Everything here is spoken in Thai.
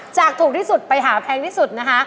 ถูกที่สุดไปหาแพงที่สุดนะคะ